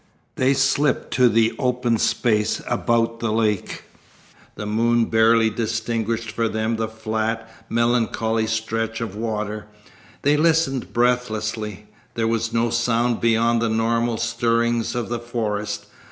They slipped to the open space about the lake. The moon barely distinguished for them the flat, melancholy stretch of water. They listened breathlessly. There was no sound beyond the normal stirrings of the forest.